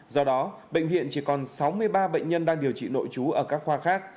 do đó bệnh viện chỉ còn sáu mươi ba bệnh nhân đang điều trị nội trú ở các khoa khác